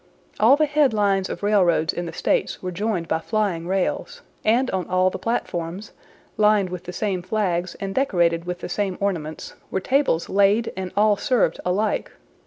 All the head lines of railroads in the States were joined by flying rails; and on all the platforms, lined with the same flags, and decorated with the same ornaments, were tables laid and all served alike.